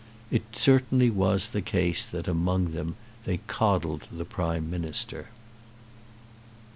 It certainly was the case that among them they coddled the Prime Minister.